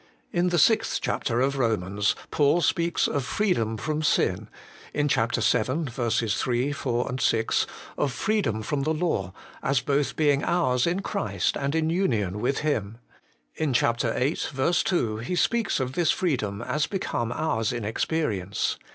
In the sixth chapter Paul speaks of freedom from sin, in chap. vii. (vers. 3, 4, 6) of freedom from the law, as both being ours in Christ and union with Him. In chap. viii. (ver. 2) he speaks of this free dom as become ours in experience.